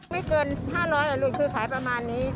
ไม่เกิน๕๐๐เหรอลูกคือขายประมาณนี้